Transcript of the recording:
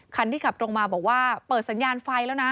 คันที่ขับตรงมาบอกว่าเปิดสัญญาณไฟแล้วนะ